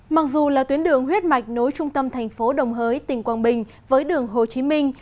mặc dù là tuyến đường huyết mạch nối trung tâm thành phố đồng hới tỉnh quảng bình với đường hồ chí minh